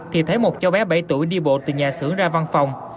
thì thấy một cháu bé bảy tuổi đi bộ từ nhà xưởng ra văn phòng